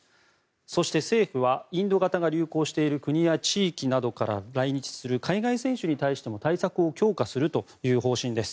そして、政府はインド型が流行している国や地域などから来日する海外選手に対しても対策を強化するという方針です。